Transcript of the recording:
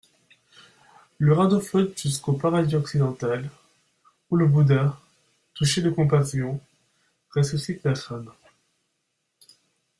Le radeau flotte jusqu'au «paradis occidental», où le Bouddha, touché de compassion, ressuscite la femme.